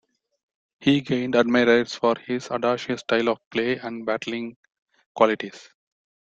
He gained admirers for his audacious style of play and battling qualities.